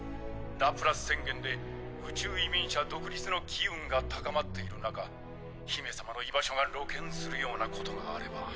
ラプラス宣言で宇宙移民者独立の機運が高まっているなか姫様の居場所が露見するようなことがあれば。